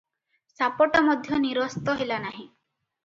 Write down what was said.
ସାପଟା ମଧ୍ୟ ନିରସ୍ତ ହେଲା ନାହିଁ ।